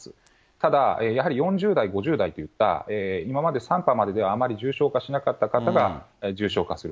ただ、やはり４０代、５０代といった、今まで、３波までではあまり重症化しなかった方が重症化する。